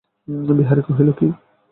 বিহারী কহিল, বল কী।